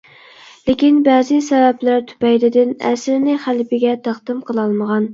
لېكىن، بەزى سەۋەبلەر تۈپەيلىدىن ئەسىرىنى خەلىپىگە تەقدىم قىلالمىغان.